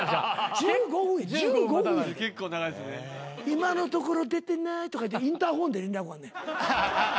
「今のところ出てない」とか言ってインターホンで連絡あんねん。